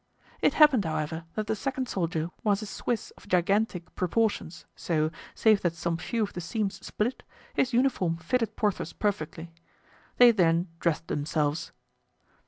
It happened, however, that the second soldier was a Swiss of gigantic proportions, so, save that some few of the seams split, his uniform fitted Porthos perfectly. They then dressed themselves.